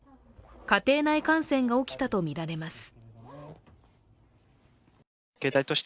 家庭内感染が起きたとみられます。